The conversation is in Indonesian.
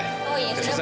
oh iya sudah selesai